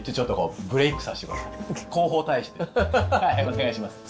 お願いします。